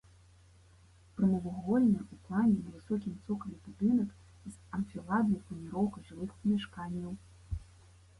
Прамавугольны ў плане на высокім цокалі будынак з анфіладнай планіроўкай жылых памяшканняў.